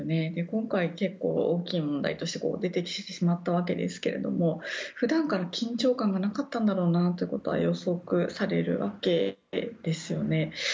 今回、結構大きい問題として出てきてしまったわけですが普段から緊張感がなかったんだろうなということは予測されるわけですよね。